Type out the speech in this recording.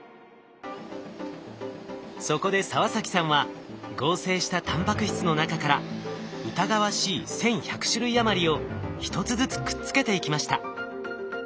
そこで澤崎さんは合成したタンパク質の中から疑わしい１，１００種類余りを一つずつくっつけていきました。